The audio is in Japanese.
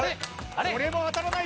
これも当たらない